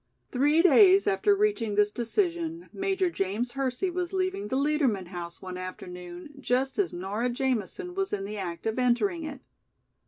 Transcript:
Three days after reaching this decision, Major James Hersey was leaving the Liedermann house one afternoon just as Nora Jamison was in the act of entering it.